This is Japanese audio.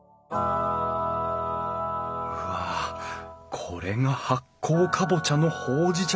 うわこれが発酵カボチャのほうじ茶